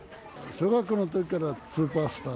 小学校のときからスーパースター。